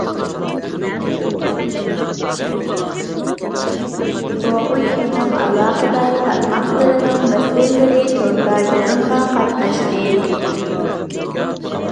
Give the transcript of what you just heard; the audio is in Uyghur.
گوۋۇيۈەننىڭ ئالاقىدار تارماقلىرىنىڭ مەسئۇللىرى توردا يىغىنغا قاتناشتى.